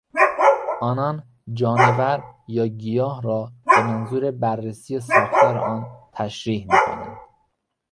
آنان جانور یا گیاه را به منظور بررسی ساختار آن تشریح میکنند.